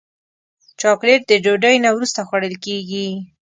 چاکلېټ د ډوډۍ نه وروسته خوړل کېږي.